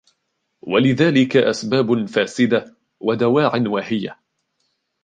وَلِذَلِكَ أَسْبَابٌ فَاسِدَةٌ وَدَوَاعٍ وَاهِيَةٌ